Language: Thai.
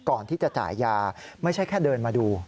ก่อนที่จะจ่ายยาไม่ใช่แค่เดินมาดู